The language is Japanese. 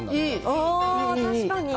ああ、確かに。